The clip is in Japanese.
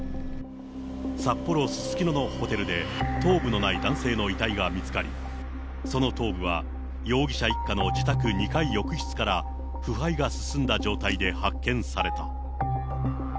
札幌・すすきののホテルで、頭部のない男性の遺体が見つかり、その頭部は容疑者一家の自宅２階浴室から腐敗が進んだ状態で発見された。